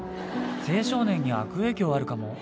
青少年に悪影響あるかも。